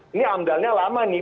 ini amdalnya lama nih